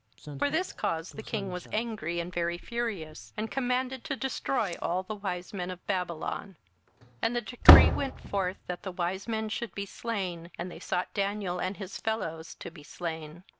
27:002:012 For this cause the king was angry and very furious, and commanded to destroy all the wise men of Babylon. 27:002:013 And the decree went forth that the wise men should be slain; and they sought Daniel and his fellows to be slain.